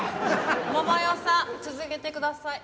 桃代さん続けてください。